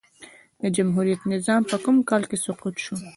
د جمهوريت نظام په کوم کال کی سقوط سو؟